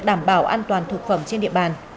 đảm bảo an toàn thực phẩm trên địa bàn